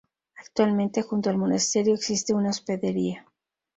Actualmente junto al monasterio existe una hospedería.